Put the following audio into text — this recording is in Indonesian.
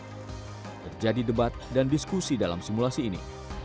terjadi debat dan diskusi dalam simulasi ini